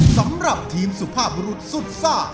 สำหรับทีมสุภาพบรุษสุดซ่า